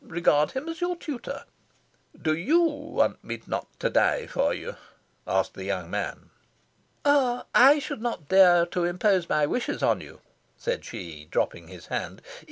Regard him as your tutor." "Do YOU want me not to die for you?" asked the young man. "Ah, I should not dare to impose my wishes on you," said she, dropping his hand.